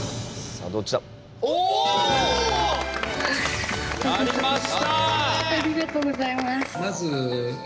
ありがとうございます。